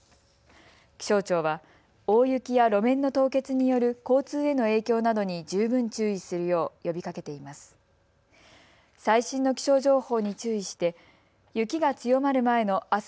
気象庁は、大雪や路面の凍結による交通への影響などに十分注意するよう呼びかけています。